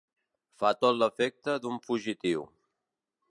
Fa tot l'efecte d'un fugitiu.